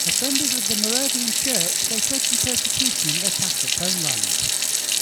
As members of the Moravian Church, they fled from persecution in their Catholic homeland.